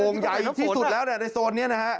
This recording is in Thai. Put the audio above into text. ใหญ่ที่สุดแล้วในโซนนี้นะฮะ